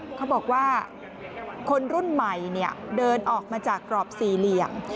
เขาบอกว่าคนรุ่นใหม่เดินออกมาจากกรอบสี่เหลี่ยม